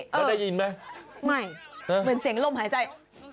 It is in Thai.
แล้วได้ยินไหมไม่เหมือนเสียงลมหายใจ